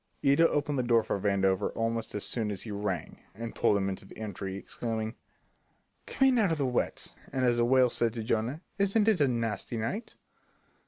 Ida opened the door for Vandover almost as soon as he rang, and pulled him into the entry, exclaiming: "Come in out of the wet, as the whale said to Jonah. Isn't it a nasty night?"